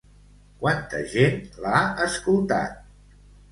Quanta gent l'ha escoltat?